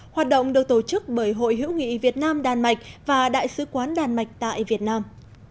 hoạt động được tổ chức bởi hội hữu nghị việt nam đan mạch và đại sứ quán đan mạch tại việt nam